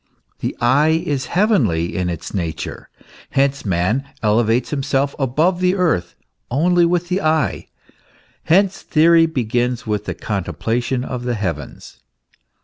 The eye is heavenly in its nature. Hence man elevates himself above the earth only with the eye ; hence theory begins with the contemplation of the heavens.